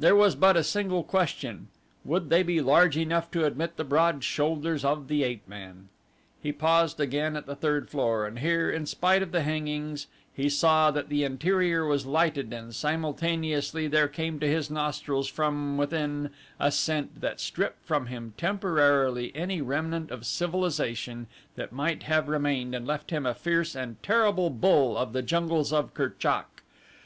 There was but a single question: would they be large enough to admit the broad shoulders of the ape man. He paused again at the third floor, and here, in spite of the hangings, he saw that the interior was lighted and simultaneously there came to his nostrils from within a scent that stripped from him temporarily any remnant of civilization that might have remained and left him a fierce and terrible bull of the jungles of Kerchak.